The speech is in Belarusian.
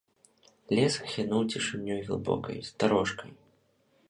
Лес ахінуў цішынёй глыбокай, старожкай.